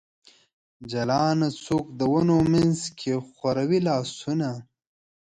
جلانه ! څوک د ونو منځ کې خوروي لاسونه ؟